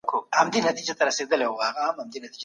هیڅوک نسي کولای بل انسان ووژني.